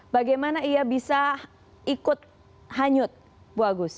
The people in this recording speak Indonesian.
bagaimana ia bisa ikut hanyut bu agus